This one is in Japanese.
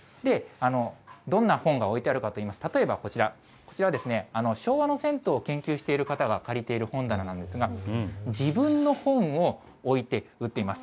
どんな本が置いてあるかといいますと、例えばこちら、こちら、昭和の銭湯を研究している方が借りている本棚なんですが、自分の本を置いて、売っています。